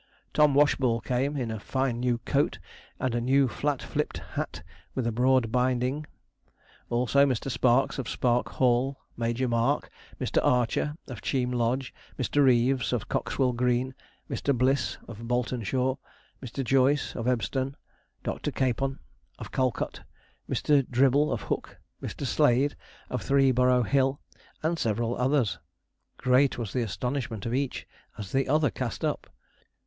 Tom Washball came, in a fine new coat and new flat fliped hat with a broad binding; also Mr. Sparks, of Spark Hall; Major Mark; Mr. Archer, of Cheam Lodge; Mr. Reeves, of Coxwell Green; Mr. Bliss, of Boltonshaw; Mr. Joyce, of Ebstone; Dr. Capon, of Calcot; Mr. Dribble, of Hook; Mr. Slade, of Three Burrow Hill; and several others. Great was the astonishment of each as the other cast up.